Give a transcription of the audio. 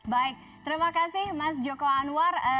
baik terima kasih mas joko anwar